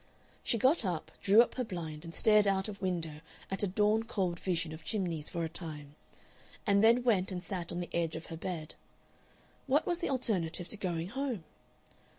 She got up, drew up her blind, and stared out of window at a dawn cold vision of chimneys for a time, and then went and sat on the edge of her bed. What was the alternative to going home?